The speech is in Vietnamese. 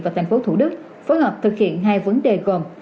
và tp thủ đức phối hợp thực hiện hai vấn đề gồm